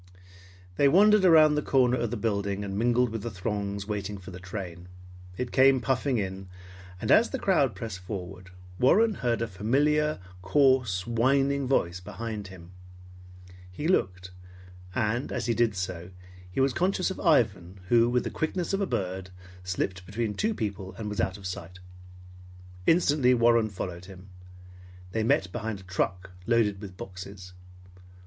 They wandered around the corner of the building and mingled with the throngs waiting for the train. It came puffing in, and as the crowd pressed forward, Warren heard a familiar, coarse, whining voice behind him. He looked; and as he did so, he was conscious of Ivan who, with the quickness of a bird, slipped between two people, and was out of sight. Instantly Warren followed him. They met behind a truck loaded with boxes.